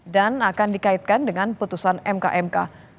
dan akan dikaitkan dengan putusan mk mk